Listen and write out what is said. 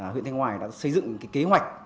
huyện thanh hoài đã xây dựng cái kế hoạch